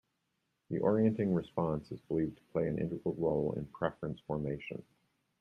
The orienting response is believed to play an integral role in preference formation.